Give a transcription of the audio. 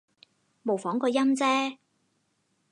模仿個音啫